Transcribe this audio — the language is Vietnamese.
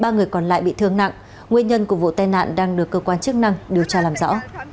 ba người còn lại bị thương nặng nguyên nhân của vụ tai nạn đang được cơ quan chức năng điều tra làm rõ